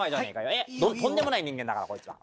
とんでもない人間だからこいつは。